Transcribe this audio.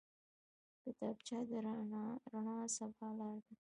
کتابچه د راڼه سبا لاره ده